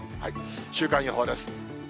週間予報です。